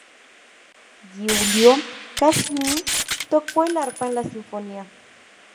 Giulio Caccini tocó el arpa en la Sinfonía.